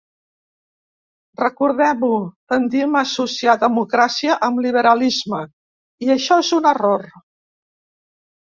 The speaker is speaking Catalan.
Recordem-ho: tendim a associar democràcia amb liberalisme i això és un error.